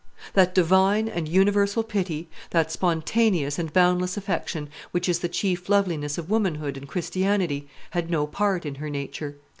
That divine and universal pity, that spontaneous and boundless affection, which is the chief loveliness of womanhood and Christianity, had no part in her nature.